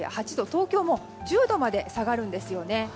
東京も１０度まで下がるんですよね。